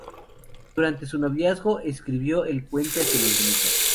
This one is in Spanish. Durante su noviazgo escribió "El puente hacia el infinito".